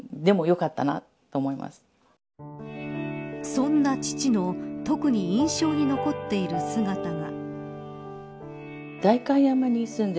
そんな父の特に印象に残っている姿が。